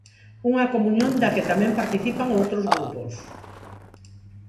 Unha comuñón da que tamén participan outros grupos.